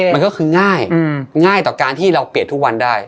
มันก็คือง่ายง่ายต่อการที่เราเปลี่ยนทุกวันได้